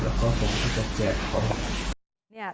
แล้วก็ผมจะแจกเขา